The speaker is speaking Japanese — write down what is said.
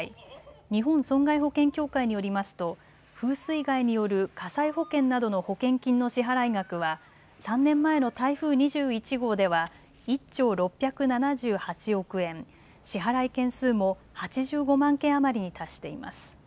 日本損害保険協会によりますと風水害による火災保険などの保険金の支払い額は３年前の台風２１号では１兆６７８億円、支払い件数も８５万件余りに達しています。